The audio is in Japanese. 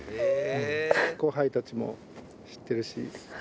後輩たちも知ってるし。